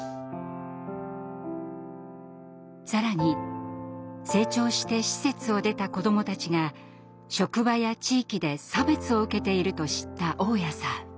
更に成長して施設を出た子どもたちが職場や地域で差別を受けていると知った雄谷さん。